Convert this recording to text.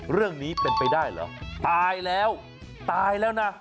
เรื่องนี้เป็นไปได้เหรอตายแล้วตายแล้วนะ